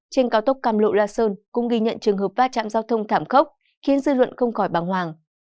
trên cao tốc cam lộ la sơn cũng ghi nhận trường hợp va chạm giao thông thảm khốc khiến dư luận không khỏi bằng hoàng